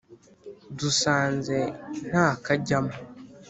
dusanze nta kajyamo